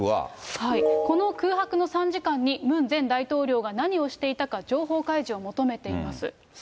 この空白の３時間に、ムン前大統領が何をしていたか情報開示を求めています。